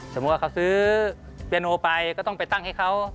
สมมุติว่าเขาซื้อเปียโนไปก็ต้องไปตั้งให้เขา